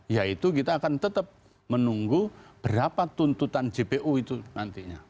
yaitu kita akan tetap menunggu berapa tuntutan jpu itu nantinya